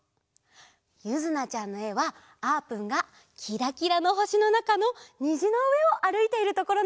ゆずなちゃんのえはあーぷんがきらきらのほしのなかのにじのうえをあるいているところなんだって！